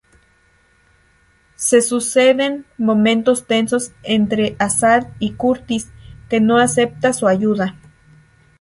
Se suceden momentos tensos entre Assad y Curtis, que no acepta su ayuda.